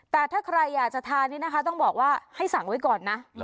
แต่ถ้าใครอยากจะทานนี่นะคะต้องบอกว่าให้สั่งไว้ก่อนนะ